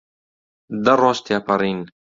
دە ڕۆژ تێپەڕین.